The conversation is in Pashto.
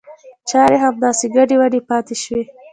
چاري همداسې ګډې وډې پاته شوې.